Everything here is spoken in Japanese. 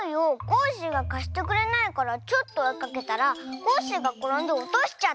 コッシーがかしてくれないからちょっとおいかけたらコッシーがころんでおとしちゃったんでしょ。